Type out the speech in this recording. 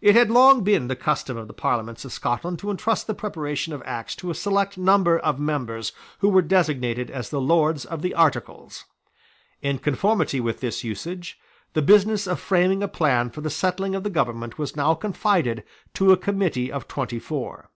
It had long been the custom of the Parliaments of Scotland to entrust the preparation of Acts to a select number of members who were designated as the Lords of the Articles. In conformity with this usage, the business of framing a plan for the settling of the government was now confided to a Committee of twenty four.